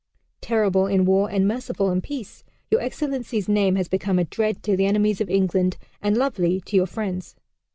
... Terrible in war and merciful in peace, Your Excellency's name has become a dread to the enemies of England and lovely to your friends."